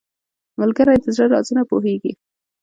ملګری د زړه رازونه پوهیږي